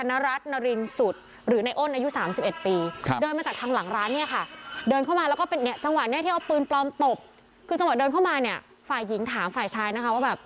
อุแล้วจะทำในทางเนี่ยถึงจะยูนถึงตัวแมงทางในแม่อย่างแบบ